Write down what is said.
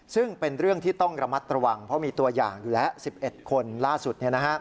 ซึ่งเป็นเรื่องที่ต้องระมัดระวังเพราะมีตัวอย่างอยู่แล้ว๑๑คนล่าสุด